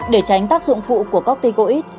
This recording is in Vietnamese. để tránh tác dụng phụ của cốc tích quýt